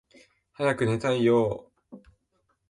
早く寝たいよーー